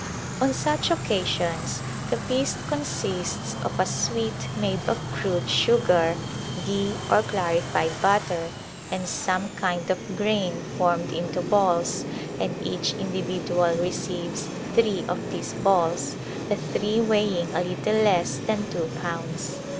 On such occasions the feast con sists of a sweet made of crude sugar, ghee or clarified butter, and some kind of grain formed into balls, and each individual receives three of these balls, the three weighing a little less than two pounds.